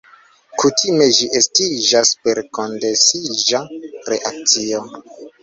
Kutime ĝi estiĝas per kondensiĝa reakcio.